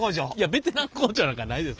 ベテラン工場なんかないです。